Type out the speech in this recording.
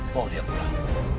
bawa dia pulang